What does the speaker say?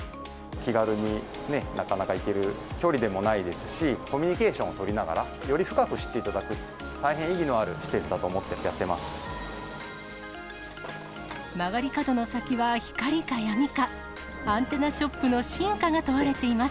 気軽に、なかなか行ける距離でもないですし、コミュニケーションを取りながら、より深く知っていただく、大変意義のある施設だと思ってやってます。